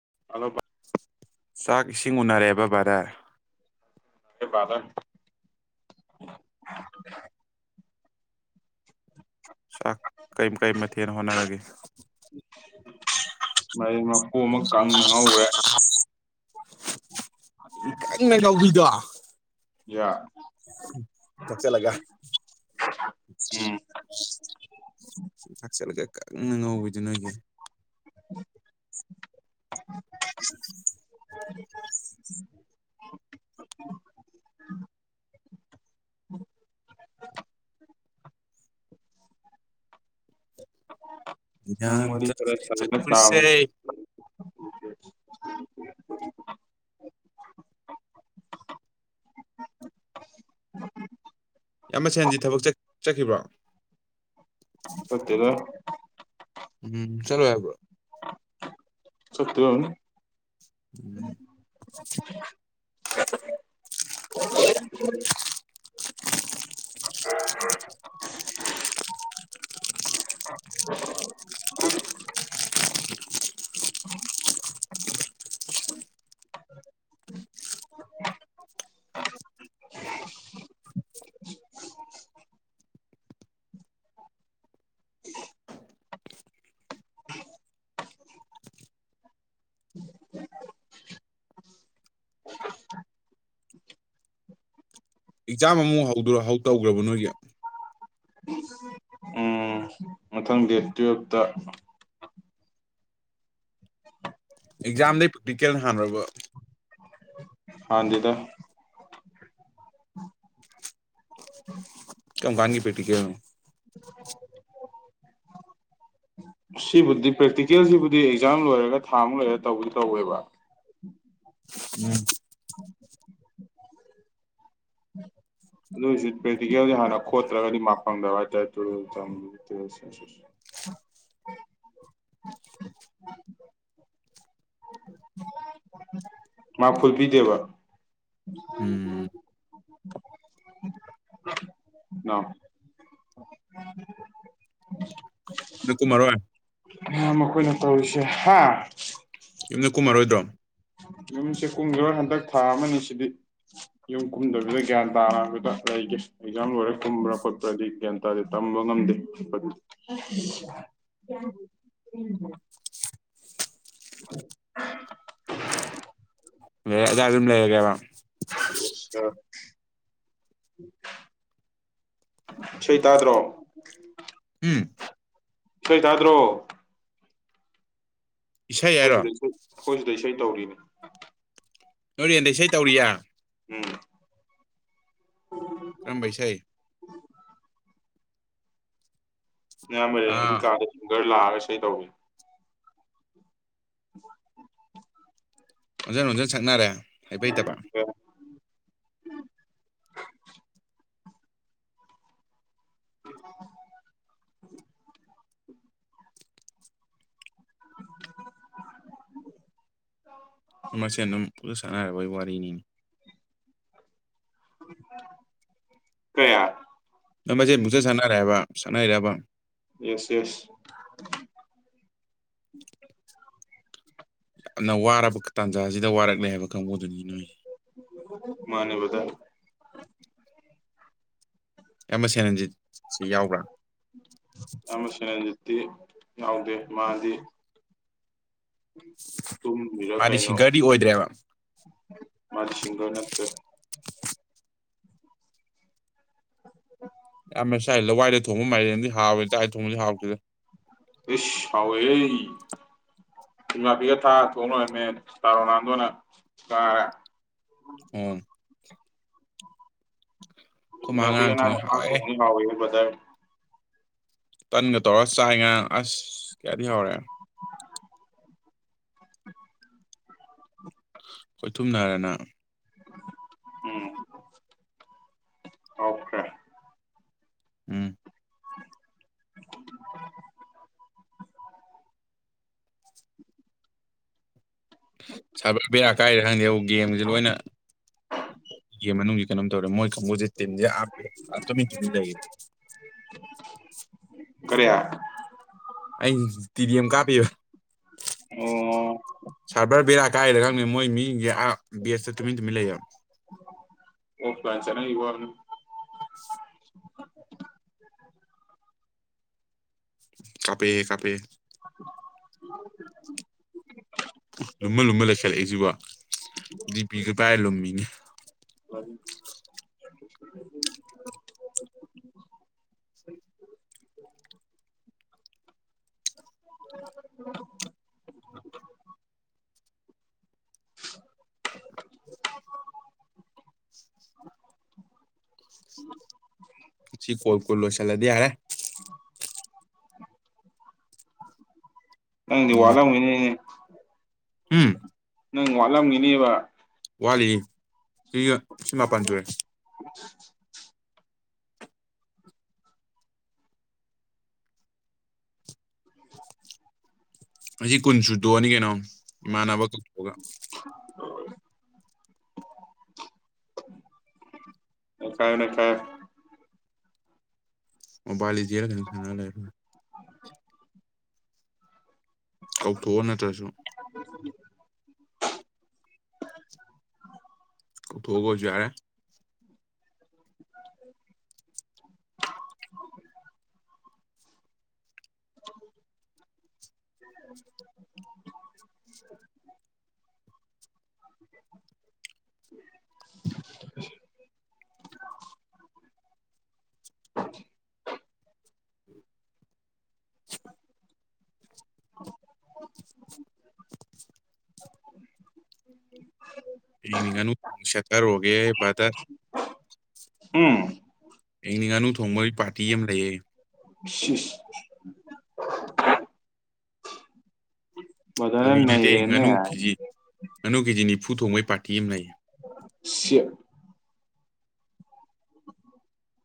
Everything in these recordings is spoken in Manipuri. [unintelligible] ꯆꯥꯛ ꯏꯁꯤꯡ ꯎꯅꯔꯦꯕ ꯕꯗꯔ [unintelligible] ꯆꯥꯛ ꯀꯩ ꯀꯩ ꯃꯊꯦꯟ ꯍꯣꯠꯅꯔꯒꯦ [unintelligible] [unintelligible] ꯑꯃ ꯀꯪꯅ ꯉꯥꯎꯈ꯭ꯔꯦ [unintelligible] ꯀꯪꯅ ꯉꯧꯕꯤꯗꯣ ꯌꯥ [unintelligible] [unintelligible] ꯎꯝ ꯀꯪꯅ ꯉꯧꯕꯤꯗꯨ ꯅꯣꯏꯒꯤ [unintelligible] [unintelligible] ꯅꯪ ꯋꯥꯔꯤ ꯈꯔ [unintelligible] ꯁꯥꯖꯤꯜꯂ ꯇꯥꯕꯅꯤ [unintelligible] [inaudible] [inaudible] ꯏꯌꯥꯝꯕ [unintelligible] ꯊꯕꯛ ꯆꯠ ꯆꯠꯈꯤꯕꯔꯣ꯫ ꯆꯠꯇꯦꯗꯥ ꯎꯝ ꯆꯠꯂꯣꯏ ꯍꯥꯏꯕ꯭ꯔꯣ ꯆꯠꯇꯣꯏ ꯑꯣꯏꯔꯝꯅꯤ꯫ [unintelligible] [unintelligible] [inaudible] [unintelligible] [inaudible] [unintelligible] [inaudible] [inaudible] [inaudible] [unintelligible] ꯑꯦꯛꯖꯥꯝ ꯑꯃꯨꯛ ꯍꯧꯗꯨ ꯍꯧ ꯇꯧꯈ꯭ꯔꯕꯣ ꯅꯣꯏꯒꯤ ꯎꯝ ꯃꯊꯪ ꯗꯦꯠ ꯇꯨꯌꯦꯜꯞꯇ ꯑꯦꯛꯖꯥꯝꯗꯩ ꯄ꯭ꯔꯦꯛꯇꯤꯀꯦꯜꯅ ꯍꯥꯟꯕꯔꯕ ꯍꯥꯟꯗꯦꯗꯥ ꯀꯝ ꯀꯥꯟꯒꯤ ꯄꯔꯦꯛꯇꯤꯀꯦꯜꯅꯣ ꯁꯤꯕꯨꯗꯤ ꯄ꯭ꯔꯦꯛꯇꯤꯀꯦꯜꯁꯤꯕꯨꯗꯤ ꯑꯦꯛꯖꯥꯝ ꯂꯣꯏꯔꯒ ꯊꯥ ꯃꯨꯛ ꯂꯣꯏꯔꯒ ꯇꯧꯕꯨꯗꯤ ꯇꯧꯋꯦꯕ ꯎꯝ ꯑꯗꯨ ꯑꯣꯢꯁꯨ ꯄꯔꯦꯛꯇꯤꯀꯦꯜꯖꯤ ꯍꯥꯟꯅ ꯈꯣꯠꯇ꯭ꯔꯒꯗꯤ ꯃꯥꯛ ꯐꯪꯗꯕ ꯍꯥꯏꯇꯥꯏ [unintelligible] ꯃꯥꯔꯛ ꯐꯨꯜ ꯄꯤꯗꯦꯕ ꯎꯝ ꯏꯅꯥꯎ [unintelligible] [unintelligible] ꯃꯔꯣꯏ꯫ ꯅꯌꯝꯕ ꯑꯩꯈꯣꯏꯅ ꯇꯧꯔꯤꯁꯦ ꯍꯥ ꯌꯨꯝꯗ ꯀꯨꯝꯃꯔꯣꯏꯗ꯭ꯔꯣ ꯌꯨꯝꯁꯦ ꯀꯨꯝꯒꯤꯔꯣꯏ ꯍꯟꯗꯛ ꯊꯥ ꯑꯃꯅꯤ ꯑꯁꯤꯗꯤ ꯌꯨꯝ ꯀꯨꯝꯗꯕꯤꯗ ꯒ꯭ꯌꯥꯟ ꯇꯥꯅ ꯍꯥꯏꯐꯦꯠꯇ ꯂꯩꯒꯦ ꯑꯦꯛꯖꯥꯝ ꯂꯣꯏꯔ ꯀꯨꯝꯕ꯭ꯔꯥ ꯈꯣꯠꯄ꯭ꯔꯗꯤ ꯒ꯭ꯌꯥꯟ ꯇꯥꯗꯦ ꯇꯝꯕ ꯉꯝꯗꯦ [unintelligible] [unintelligible] [unintelligible] ꯑꯗꯥꯏ ꯗ ꯑꯗꯨꯝ ꯂꯩꯔꯒꯦꯕ ꯏꯁꯩꯇꯥꯥꯗ꯭ꯔꯣ ꯍꯨꯝ ꯏꯁꯩ ꯇꯥꯗ꯭ꯔꯣ ꯏꯁꯩ ꯑꯩꯈꯣꯏ ꯍꯥꯏꯔꯣ ꯁꯤꯗ ꯏꯁꯩ ꯑꯩꯈꯣꯏ ꯁꯤꯗ ꯏꯁꯩ ꯇꯧꯔꯤꯅꯦ ꯅꯣꯏ ꯔꯦꯟꯗ ꯏꯁꯩ ꯇꯧꯔꯤꯌꯦ ꯎꯝ ꯀꯔꯝꯕ ꯏꯁꯩ ꯑꯥ [unintelligible] ꯏꯁꯩ ꯇꯧꯔꯤ [unintelligible] ꯑꯣꯟꯖꯟ ꯑꯣꯟꯖꯟ ꯁꯛꯅꯔꯦ ꯍꯩꯕ ꯍꯩꯇꯕ [unintelligible] ꯃꯁꯦꯟ ꯑꯗꯨꯝ ꯄꯨꯛꯆꯠ ꯁꯥꯟꯅꯔꯕꯩ ꯋꯥꯔꯤꯅꯤꯅꯦ ꯀꯌꯥ ꯅꯣꯏ ꯃꯁꯦꯟ ꯄꯨꯛꯁꯠ ꯁꯥꯟꯅꯔꯥ ꯍꯥꯏꯕ ꯁꯛꯅꯩꯔꯕ ꯌꯦꯁ ꯌꯦꯁ ꯌꯥꯝꯅ ꯋꯥꯔꯕ ꯇꯥꯟꯖꯥꯁꯤꯗ ꯋꯥꯔꯛꯂꯦ ꯍꯥꯏꯕ ꯀꯥꯡꯕꯨꯗꯨꯅꯤ ꯅꯣꯏꯁꯦ ꯃꯥꯅꯦ ꯕꯔꯗꯔ ꯑꯦꯝꯕ ꯁꯦꯅꯟꯖꯤꯠ ꯁꯤ ꯌꯥꯎꯕ꯭ꯔꯥ ꯗꯤ ꯌꯥꯎꯗꯦ ꯃꯥꯗꯤ ꯇꯨꯝꯃꯤꯔ ꯃꯥꯗꯤ ꯀꯩꯅꯣ ꯁꯤꯡꯒꯔꯗꯤ ꯑꯣꯏꯗ꯭ꯔꯦꯕ ꯁꯤꯡꯒꯔ ꯅꯠꯇꯦ [unintelligible] ꯏꯌꯥꯝꯕ ꯁꯥꯏ ꯂꯋꯥꯏꯗ ꯊꯣꯡꯕ ꯃꯥꯏꯔꯦꯟꯗꯤ ꯍꯥꯎꯋꯦ ꯗꯋꯥꯏꯗ ꯊꯣꯡꯕꯗꯤ ꯍꯥꯎꯇꯦꯗ ꯏꯁ ꯍꯥꯎꯏꯍꯦ [unintelligible] ꯊꯥ ꯊꯣꯡꯅꯔꯝꯃꯦ ꯇꯥꯔꯣꯅꯥꯟꯗꯣꯅ ꯆꯥꯔꯦ ꯑꯥ [unintelligible] ꯉꯔꯥꯡ ꯊꯣꯡꯉꯦ ꯍꯥꯎꯋꯦ ꯕꯔ꯭ꯗꯔ ꯇꯟꯒ ꯇꯧꯔꯒ ꯆꯥꯏ ꯉꯥꯔꯥꯡ ꯑꯁ ꯀꯌꯥꯗꯤ ꯍꯧꯔꯦ ꯈꯣꯏꯊꯨꯝꯅꯔꯅ ꯎꯝ ꯑꯣꯀꯦ ꯎꯝ ꯁꯕꯔ ꯕꯦꯔꯥ ꯀꯥꯏꯔꯤꯔꯥ ꯈꯪꯗꯦ ꯒꯦꯝꯖꯦ ꯂꯣꯏꯅ ꯒꯦꯝ ꯃꯅꯨꯡ ꯀꯩꯅ ꯇꯧꯔꯦ ꯃꯣꯏ ꯃꯣꯏꯁꯦ ꯇꯤꯝꯖꯦ ꯑ ꯑ ꯇꯨꯃꯤꯟ ꯇꯨꯃꯤꯟ ꯂꯩꯔꯦ ꯀꯔꯤ ꯑꯩ ꯇꯤꯗꯤꯑꯦꯝ ꯀꯥꯞꯄꯤꯕ ꯁꯥꯕꯔ ꯕꯦꯔꯥ ꯀꯥꯏꯔꯦꯔꯥ ꯃꯦ ꯃꯣꯏ ꯃꯤꯁꯤꯡꯁꯦ ꯑꯥ ꯕꯦꯁꯇ ꯇꯨꯃꯤꯟ ꯇꯨꯃꯤꯟ ꯂꯩꯌꯦ ꯗꯨꯀꯥꯟ ꯆꯠꯅꯈꯤꯕ ꯑꯣꯏꯔꯝꯅꯤ ꯀꯥꯞꯄꯦ ꯀꯥꯞꯄꯦ ꯎꯝ ꯂꯨꯝꯃ ꯂꯨꯝꯃ ꯂꯩꯁꯜꯂꯛꯏꯁꯤꯕꯣ ꯗꯤ ꯄꯤꯒ ꯄꯥꯏꯔ ꯂꯨꯝꯃꯤꯅꯤ ꯐ ꯁꯤ ꯀꯣꯜ ꯀꯨꯜ ꯂꯣꯏꯁꯜꯂꯗꯤ ꯌꯥꯔꯦ ꯅꯪꯗꯤ ꯋꯥꯠꯂꯝꯈꯤꯅꯤꯅꯦ ꯍꯨꯝ ꯅꯪ ꯋꯥꯠꯂꯝꯒꯤꯅꯤꯕ ꯋꯥꯠꯂꯤꯌꯦ ꯁꯤ ꯁꯤ ꯃꯥꯄꯟ ꯁꯨꯔꯦ ꯑꯁꯤ ꯀꯨꯟ ꯁꯨꯗꯣꯛꯑꯅꯤ ꯀꯩꯅꯣ ꯏꯃꯥꯟꯅꯕ ꯀꯧꯊꯣꯛꯂꯒ ꯅꯩꯈꯥꯏꯔꯣ ꯅꯩꯈꯥꯏꯔꯣ ꯃꯣꯕꯥꯏꯜ ꯂꯦꯖꯦꯟ ꯖꯦꯔ ꯀꯩꯅꯣꯝ ꯁꯥꯟꯅꯔ ꯂꯣꯏꯔꯦ ꯀꯧꯊꯣꯛꯑꯣ ꯅꯠꯇ꯭ꯔꯁꯨ ꯀꯧꯊꯣꯛꯑꯒ ꯑꯣꯏꯁꯨ ꯌꯥꯔꯦ ꯑꯩꯒꯤꯅꯤ ꯉꯥꯅꯨ ꯁꯦꯠꯊꯔꯨꯒꯦꯍꯦ ꯕꯥ꯭ꯔꯗ꯭ꯥꯔ ꯎꯝ ꯑꯩꯩꯅ ꯉꯥꯅꯨ ꯊꯣꯡꯕꯒꯤ ꯄꯥꯔꯇꯤ ꯑꯃ ꯂꯩꯑ ꯁꯤ ꯑꯗꯨꯅꯦ ꯉꯅꯨ ꯀꯦꯖꯤ ꯑꯅꯨ ꯀꯦꯖꯤꯅꯤ ꯏꯐꯨ ꯊꯣꯡꯃꯩ ꯄꯥꯇꯤ ꯑꯃ ꯂꯩꯌꯦ ꯁꯦꯠ [unintelligible]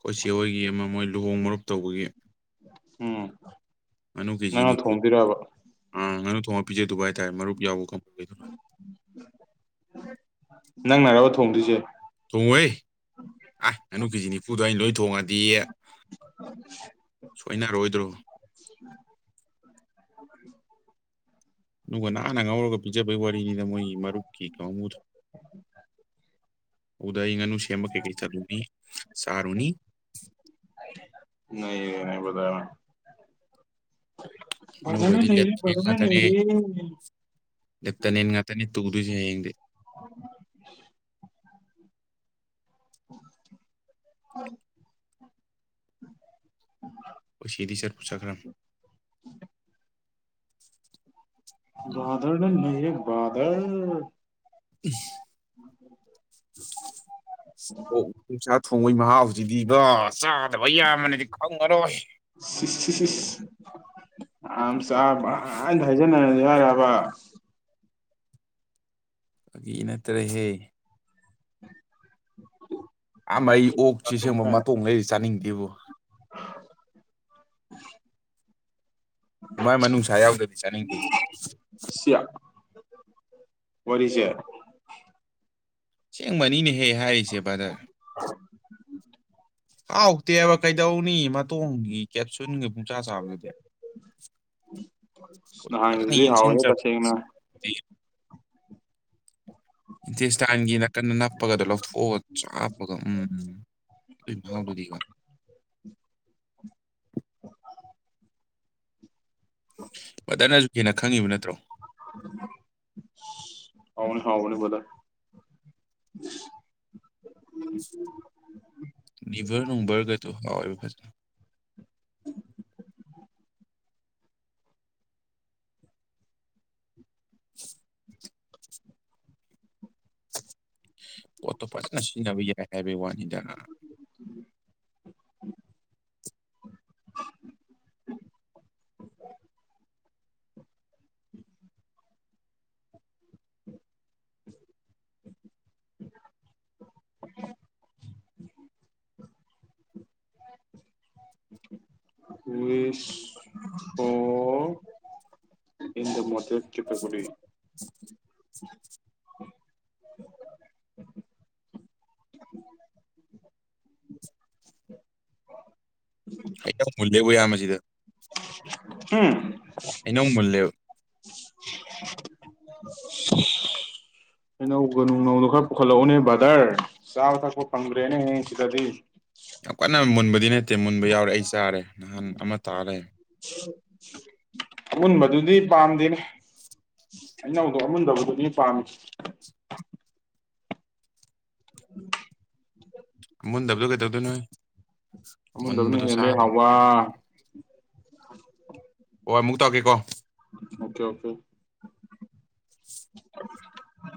ꯀꯣꯆꯦ ꯍꯣꯏꯒꯤ ꯑꯃ ꯃꯣꯏ ꯣꯡꯃ꯭ꯔꯨꯞ ꯇꯧꯕꯒꯤ ꯍꯝ ꯉꯥꯅꯨ ꯀꯦꯖꯤ ꯅꯤꯐꯨ ꯑ ꯉꯅꯨ ꯊꯣꯡꯉ ꯄꯤꯖ ꯑꯗꯨꯗꯨꯕꯥꯏ ꯇꯥꯏ ꯃꯔꯨꯞ ꯌꯥꯎꯕ ꯀꯗ ꯅꯪꯅꯔꯕ ꯊꯣꯡꯗ꯭ꯣꯏꯁꯦ ꯊꯣꯡꯉꯣꯍꯦ ꯑ ꯑꯅꯨ ꯀꯦꯖꯤ ꯅꯤꯐꯨꯗꯣ ꯑꯩꯅ ꯂꯣꯏ ꯊꯣꯡꯉꯗꯤ ꯁꯣꯏꯅꯔꯣꯏꯗ꯭ꯔꯣ [inaudible] ꯑꯗꯨꯒ ꯅꯥꯟꯅ ꯉꯥꯎꯔꯒ ꯄꯤꯖꯕꯩ ꯋꯥꯔꯤꯅꯤꯅ ꯃꯣꯏꯒꯤ ꯃꯔꯨꯞꯀꯤ ꯀꯥꯡꯉꯨꯗ ꯑꯗꯨꯗ ꯑꯩ ꯉꯥꯅꯨ ꯑꯃ ꯀꯩ ꯀꯩ ꯆꯠꯂꯨꯅꯤ ꯁꯔꯨꯅꯤ [inaudible] ꯕ꯭ꯔꯗꯔꯅ ꯑꯣꯏꯣꯏꯗꯤꯅ ꯅꯩꯔꯦ ꯌꯦ ꯕ꯭ꯔꯗꯔꯅ ꯉꯇꯔꯦ ꯅꯩꯔꯦ ꯂꯠꯇꯅꯦ ꯌꯦꯟ ꯉꯥꯛꯇꯅꯤꯦ ꯇꯨ ꯑꯗꯨꯁꯨ ꯍꯌꯦꯡꯗꯤ ꯑꯣ ꯎꯝ ꯑꯣꯏ ꯁꯤꯗꯤ ꯆꯔ ꯄꯣꯁꯈꯔꯝ ꯗꯔ ꯂꯩ ꯥꯕꯗꯔ ꯎꯝ ꯑꯣ ꯄ ꯁꯥ ꯀꯣꯡꯩ ꯃꯍꯥꯎ ꯍꯧꯖꯤꯛꯤꯕ ꯩꯌꯥ ꯃꯅꯦꯗꯤ ꯈꯥꯎ ꯃꯔꯔꯣ ꯁꯤꯁ ꯌꯥꯝ ꯆꯥꯕ ꯑꯅ ꯍꯥꯏꯖꯅꯔꯅꯤ ꯌꯥꯔꯕ ꯑꯗꯨꯒꯤ ꯅꯠꯇꯔꯦꯁꯦ ꯑ ꯑꯩ ꯑꯣꯛꯁꯤ ꯆꯥꯛꯊꯣꯡ ꯁꯦꯝꯒꯨꯝꯕ ꯀꯥꯏꯅ ꯃꯇꯣꯡ ꯂꯩꯔꯤ ꯆꯥꯅꯤꯡꯗꯦꯕ [inaudible] ꯃꯥꯏ ꯃꯅꯨꯡꯁꯥ ꯌꯥꯎꯗꯕꯤ ꯆꯥꯅꯤꯡꯗꯦ ꯑꯣꯏꯔꯤꯁꯦ ꯁꯦꯡꯕꯅꯤꯅꯦꯍꯦꯛ ꯍꯥꯏꯔꯤꯁꯦ ꯕꯗꯔ ꯍꯥꯎꯇꯦꯕ ꯀꯩꯗꯧꯅꯤ ꯃꯇꯣꯡꯒꯤ ꯀꯦꯞꯁꯨꯟꯒꯤ ꯄꯨꯡꯆꯥꯥ ꯆꯥꯕꯗꯨꯗꯤ ꯐꯖꯅ ꯅꯍꯥꯟꯒꯤꯗꯨꯗꯤ ꯌꯦꯡꯁꯤꯟ ꯍꯥꯎꯋꯦꯍꯦ ꯇꯁꯦꯡꯅ ꯏꯟꯇꯦꯁꯇꯥꯟꯒꯤ ꯅꯥꯀꯟ ꯅꯞꯄꯒꯗꯣ ꯂꯧꯊꯣꯛꯑ ꯆꯥꯞꯄꯒ ꯎꯝ ꯑꯗꯨ ꯃꯍꯥꯎꯗꯨꯗꯤꯀꯣ ꯃꯅ ꯍꯟꯅ ꯈꯪꯉꯤꯕ ꯅꯠꯇ꯭ꯔꯣ ꯑꯅꯤ ꯍꯥꯎ ꯑꯅꯤꯥꯏ ꯂꯤꯅꯤꯚꯔꯅꯅꯨꯡꯕꯔꯒ ꯇꯨ ꯍꯥꯥꯎꯔ ꯐꯖ [inaudible] [inaudible] ꯄꯣꯠꯇꯣ ꯐꯖꯅ ꯁꯤꯖꯤꯟꯅꯕ ꯌꯥꯏ ꯑꯦꯚ ꯋꯥꯟ [inaudible] [inaudible] ꯋ ꯑꯣ ꯏ ꯃꯛꯇ ꯆꯤꯠꯇꯀꯨꯗꯤ ꯑꯩꯇ ꯃꯨꯜꯂꯦꯕꯨ ꯌꯥꯝꯕꯁꯤꯗ ꯎꯝ ꯑꯩꯅꯧ ꯃꯨꯜꯂꯦꯨ ꯑꯩꯅꯧꯒꯅꯨꯡ ꯅꯧꯅ ꯈꯔ ꯄꯨꯈꯠꯂꯛꯎꯅꯦ ꯕ꯭ꯔꯗꯔ ꯆꯥꯕ ꯊꯛꯄ ꯐꯪꯗ꯭ꯔꯦꯅꯦ ꯍꯌꯦꯡ ꯁꯤꯗꯗꯤ ꯇꯦ ꯃꯨꯟꯕꯎꯔꯛꯏ ꯇꯔꯦ ꯅꯍꯥꯟ ꯑꯃ ꯇꯥꯔꯦ ꯑꯃꯨꯟꯕꯗꯨꯗꯤ ꯄꯥꯝꯗꯦꯅꯦ ꯑꯩꯅꯧꯗꯣ ꯑꯃꯨꯟꯗꯕꯗꯨꯗꯤ ꯄꯥꯝꯃꯤ ꯎ ꯃꯨ ꯗꯕꯖꯧ ꯀꯩꯗꯧꯗꯨ ꯅ ꯃꯟꯕꯅꯤ ꯍꯦꯂꯦ ꯍꯋꯥ [inaudible] ꯍꯣꯏ ꯑꯃꯨꯛ ꯇꯥꯛꯀꯦꯀꯣ ꯑꯣꯀꯦ ꯑꯣꯀꯦ